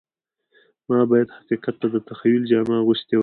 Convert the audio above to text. ما باید حقیقت ته د تخیل جامه اغوستې وای